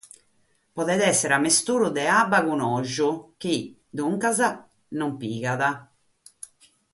Podet èssere misturu de abba cun ògiu chi, duncas, non prendet.